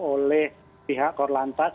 oleh pihak korlantas